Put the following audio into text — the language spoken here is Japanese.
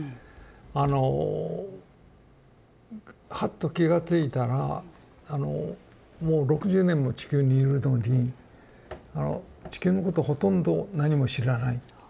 あのハッと気が付いたらあのもう６０年も地球にいるのに地球のことをほとんど何も知らない。